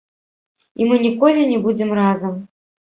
І мы ніколі не будзем разам.